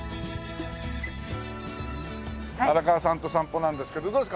荒川さんと散歩なんですけどどうですか？